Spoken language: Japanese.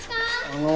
あの。